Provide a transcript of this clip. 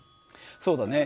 そうだね。